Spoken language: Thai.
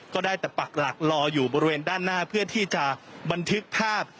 ก็ได้แต่ปักหลักรออยู่บริเวณด้านหน้าเพื่อที่จะบันทึกภาพ